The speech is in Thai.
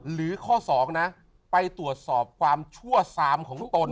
หรือข้อ๒นะไปตรวจสอบความชั่วซามของตน